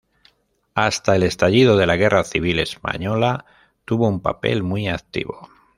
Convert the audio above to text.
Hasta el estallido de la Guerra Civil Española, tuvo un papel muy activo.